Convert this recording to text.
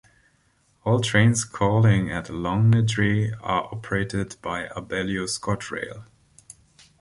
All trains calling at Longniddry are operated by Abellio ScotRail.